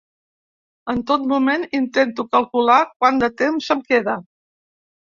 En tot moment intento calcular quant de temps em queda.